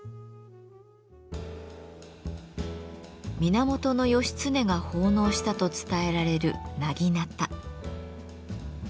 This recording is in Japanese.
源義経が奉納したと伝えられる薙刀。